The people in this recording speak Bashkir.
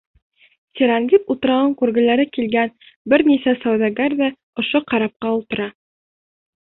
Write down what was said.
Сирандип утрауын күргеләре килгән бер нисә сауҙагәр ҙә ошо карапҡа ултыра.